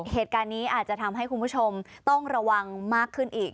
เหตุการณ์นี้อาจจะทำให้คุณผู้ชมต้องระวังมากขึ้นอีก